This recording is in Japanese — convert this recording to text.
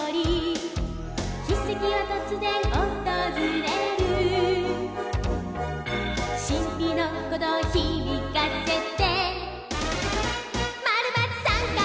「奇跡はとつぜんおとずれる」「しんぴのこどうひびかせて」「○×△」